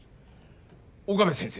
「岡部先生